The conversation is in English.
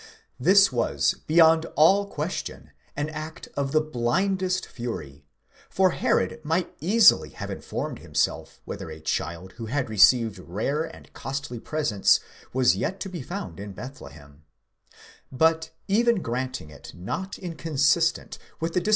This was, beyond all question, an act of the blindest fury, for Herod might easily have informed himself whether a child who had received rare and costly presents was yet to be found in Bethlehem: but even granting it not inconsistent with the dis 168 PART I.